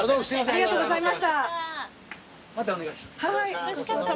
ありがとうございます。